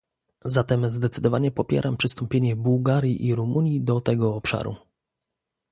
Zatem zdecydowanie popieram przystąpienie Bułgarii i Rumunii do tego obszaru